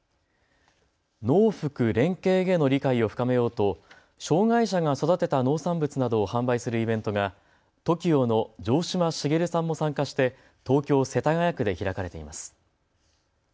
農福連携への理解を深めようと障害者が育てた農産物などを販売するイベントがＴＯＫＩＯの城島茂さんも参加して東京世田谷区で開かれています。